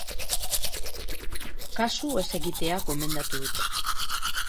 Kasu ez egitea gomendatu dute.